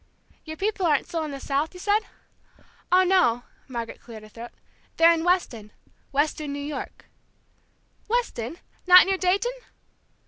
"Your people aren't still in the South, you said?" "Oh, no!" Margaret cleared her throat. "They're in Weston Weston, New York." "Weston! Not near Dayton?"